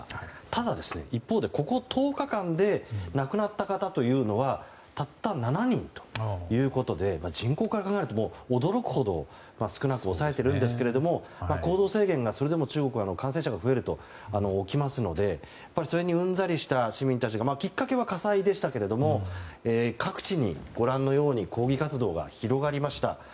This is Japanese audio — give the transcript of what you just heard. ただ一方で、ここ１０日間で亡くなった方というのはたった７人ということで人口から考えると驚くほど少なく抑えているんですがそれでも中国は感染者が増えると行動制限が起きますのでそれにうんざりした市民たちがきっかけは火災でしたが各地にご覧のように抗議活動が広がりました。